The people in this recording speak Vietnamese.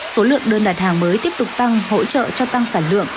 số lượng đơn đặt hàng mới tiếp tục tăng hỗ trợ cho tăng sản lượng